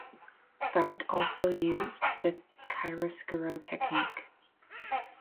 Faut also used the chiaroscuro technique.